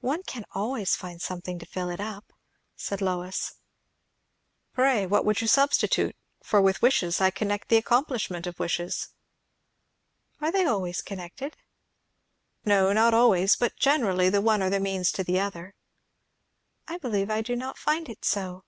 "One can find something else to fill it up," said Lois. "Pray what would you substitute? For with wishes I connect the accomplishment of wishes." "Are they always connected?" "Not always; but generally, the one are the means to the other." "I believe I do not find it so."